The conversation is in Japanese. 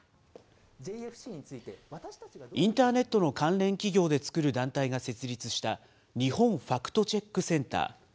インターネットの関連企業で作る団体が設立した、日本ファクトチェックセンター。